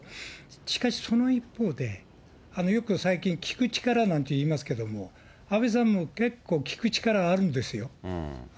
しかしその一方で、よく最近、聞く力なんていいますけれども、安倍さんも結構、聞く力あるんですよ。